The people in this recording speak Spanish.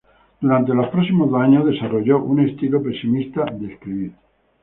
Durante los próximos dos años desarrolló un estilo pesimista de escribir.